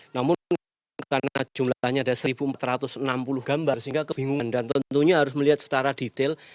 namun karena jumlahnya ada satu empat ratus enam puluh gambar sehingga kebingungan dan tentunya harus melihat secara detail